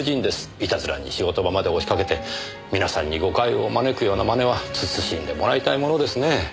いたずらに仕事場まで押しかけて皆さんに誤解を招くような真似は慎んでもらいたいものですねえ。